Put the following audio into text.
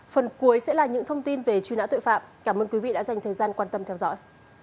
phần cuối sẽ là những thông tin về truy nã tội phạm cảm ơn quý vị đã dành thời gian quan tâm theo dõi